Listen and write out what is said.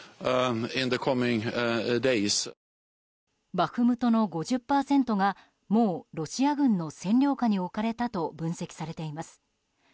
バフムトの５０％が、もうロシア軍の占領下に置かれたと分析されています。